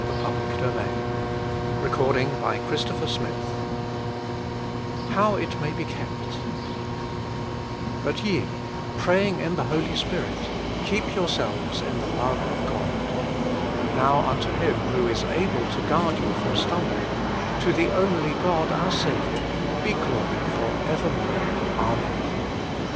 THE FULL BLESSING OF PENTECOST VII it mau be kept "But ye, praying in the Holy Spirit, keep yourselves in the love of God. ... Now unto Him who is able to guard you from stumbling, to the only God our Saviour, be glory for evermore. Amen."